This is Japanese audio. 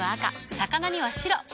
魚には白。